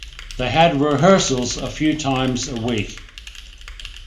They had rehearsals a few times a week.